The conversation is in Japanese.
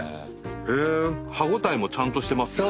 歯応えもちゃんとしてますね。